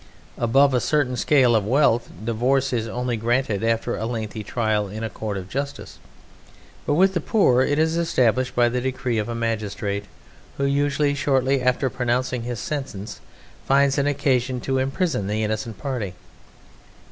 Above a certain scale of wealth divorce is only granted after a lengthy trial in a court of justice; but with the poor it is established by the decree of a magistrate who usually, shortly after pronouncing his sentence, finds an occasion to imprison the innocent party.